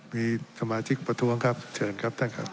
มีสมาชิกประท้วงครับเชิญครับท่านครับ